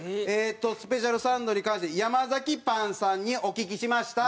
スペシャルサンドに関してヤマザキパンさんにお聞きしました。